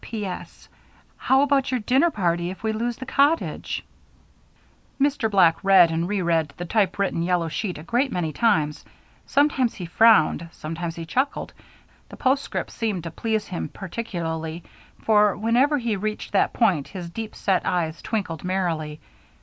"P. S. How about your dinner party if we lose the cottage?" Mr. Black read and reread the typewritten yellow sheet a great many times; sometimes he frowned, sometimes he chuckled; the postscript seemed to please him particularly, for whenever he reached that point his deep set eyes twinkled merrily.